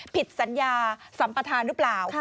ผิดสัญญาสัมประธานรึเปล่า